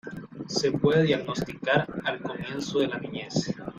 Se puede diagnosticar al comienzo de la niñez.